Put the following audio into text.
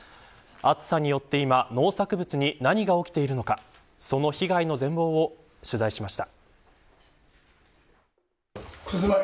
暑さによって今農作物に何が起きているのかその被害の全貌を取材しました。